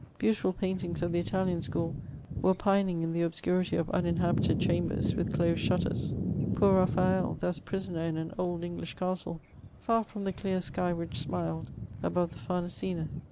Beautiful paintings of tiie Italian schocd wetepinmg in the ob scurity of uninhabited chambers, with dosed shntten ; poor Baphad, thus prisoner in an okL English caetle, &r finnt tiie dear sky which smiled aboye the Famesina